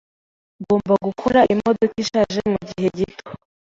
Ngomba gukora imodoka ishaje mugihe gito